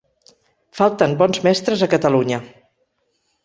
Falten bons mestres a Catalunya.